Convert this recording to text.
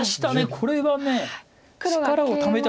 これは力をためた。